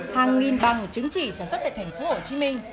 hàng nghìn bằng chứng chỉ sản xuất tại thành phố hồ chí minh